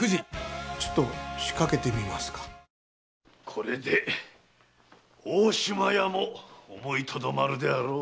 これで大島屋も思いとどまるであろう。